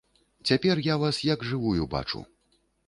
Цяпер я вас як жывую бачу.